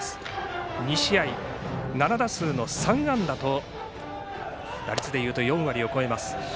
２試合７打数３安打と打率でいうと４割を超えます。